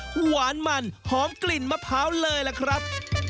หวานมันหอมกลิ่นมะพร้าวเลยล่ะครับ